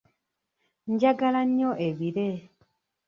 Njagala nnyo ebire.